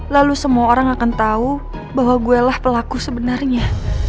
lalu semua orang akan tahu bahwa guelah pelaku sebenarnya